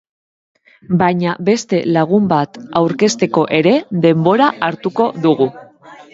Baina beste lagun bat aurkezteko ere denbora hartuko dugu.